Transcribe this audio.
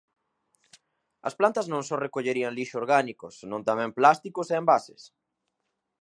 As plantas non só recollerían lixo orgánico senón tamén plásticos e envases.